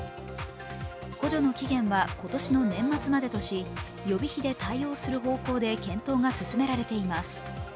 補助金の期限は今年の年末までとし、予備費で対応する方向で検討が進められています。